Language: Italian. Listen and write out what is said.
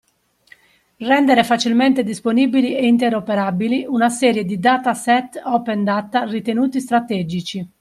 Rendere facilmente disponibili e interoperabili una serie di dataset Open Data ritenuti strategici